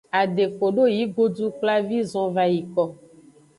Ade kodo yi godukplavi zonvayiko.